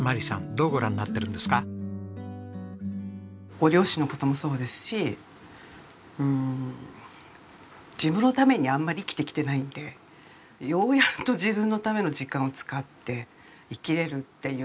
ご両親の事もそうですしうん自分のためにあんまり生きてきてないんでようやっと自分のための時間を使って生きれるっていう。